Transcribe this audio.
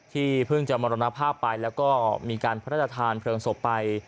เพิ่งจะมรณภาพไปแล้วก็มีการพระราชทานเพลิงศพไป